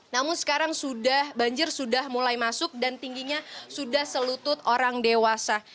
namun sekarang banjir sudah mulai masuk dan tingginya sudah selutut orang dewasa